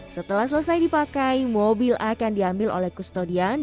setelah selesai dipakai mobil akan diambil oleh kustodian